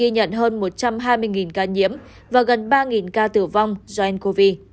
ghi nhận hơn một trăm hai mươi ca nhiễm và gần ba ca tử vong do ncov